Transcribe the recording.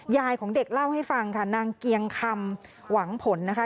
ยายของเด็กเล่าให้ฟังค่ะนางเกียงคำหวังผลนะคะ